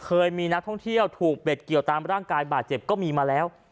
เคยมีนักท่องเที่ยวถูกเบ็ดเกี่ยวตามร่างกายบาดเจ็บก็มีมาแล้ว